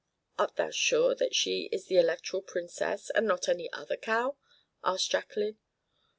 "Art thou sure that it is the Electoral Princess, and not any other cow?" asked Jacqueline.